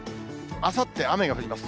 あさって、雨が降ります。